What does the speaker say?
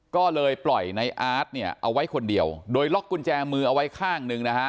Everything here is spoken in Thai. ก็เลยปล่อยในอาร์ตเนี่ยเอาไว้คนเดียวโดยล็อกกุญแจมือเอาไว้ข้างหนึ่งนะฮะ